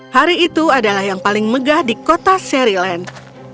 hari itu adalah yang paling megah di kota seri land